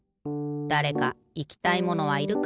だれかいきたいものはいるか？